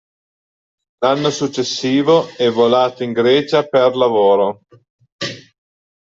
L'anno successivo è volata in Grecia per lavoro.